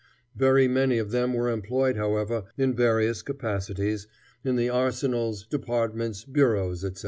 Very many of them were employed, however, in various capacities, in the arsenals, departments, bureaus, etc.